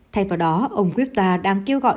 thay vào đó ông gupta đang kêu gọi